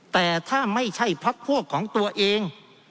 แต่ถ้าไม่ใช่พักพวกของตัวเอง